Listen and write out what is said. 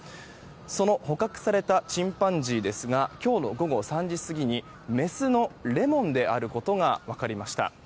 その捕獲されたチンパンジーですが今日の午後３時過ぎにメスのレモンであることが分かりました。